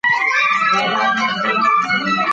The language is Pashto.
وخت د سرو زرو دی.